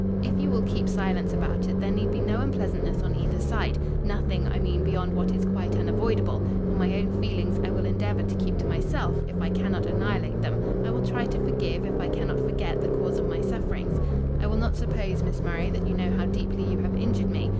If you will keep silence about it, there need be no unpleasantness on either side—nothing, I mean, beyond what is quite unavoidable: for my own feelings I will endeavour to keep to myself, if I cannot annihilate them—I will try to forgive, if I cannot forget the cause of my sufferings. I will not suppose, Miss Murray, that you know how deeply you have injured me.